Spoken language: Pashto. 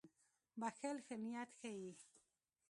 • بښل ښه نیت ښيي.